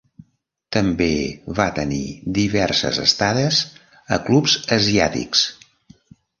També va tenir diverses estades a clubs asiàtics.